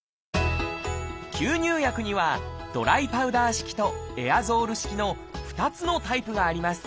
吸入薬には「ドライパウダー式」と「エアゾール式」の２つのタイプがあります